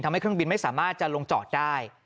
เครื่องบินไม่สามารถจะลงจอดได้